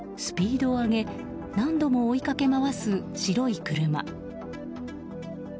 スピードを上げ何度も追いかけまわす白い車。